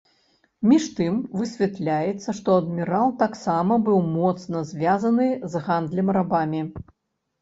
Між тым высвятляецца, што адмірал таксама быў моцна звязаны з гандлем рабамі.